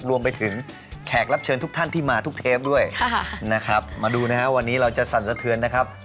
รวมไปถึงแขกรับเชิญทุกท่านที่มาทุกเทปด้วยนะครับมาดูนะฮะวันนี้เราจะสั่นสะเทือนนะครับ